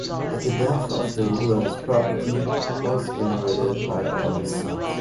At the death of the ruler his property was inherited by all his sons.